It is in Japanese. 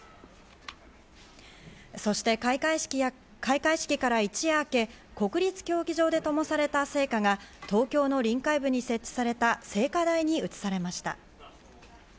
そして開会式から一夜明け、国立競技場で灯された聖火が東京の臨海部に設置された聖火台に移されました。